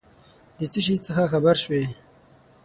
د څه شي څخه خبر سوې ؟